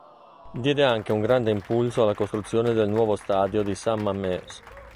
Diede anche un grande impulso alla costruzione del nuovo Stadio di San Mamés.